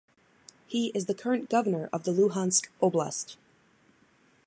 He is the current Governor of Luhansk Oblast.